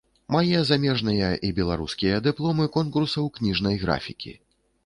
Мае замежныя і беларускія дыпломы конкурсаў кніжнай графікі.